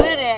udah deh ya